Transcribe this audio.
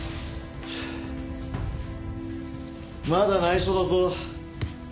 まだ内緒だぞ。